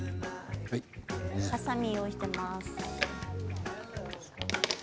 はさみが用意されています。